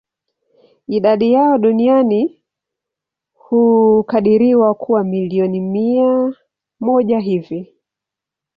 Idadi yao duniani hukadiriwa kuwa milioni mia moja hivi.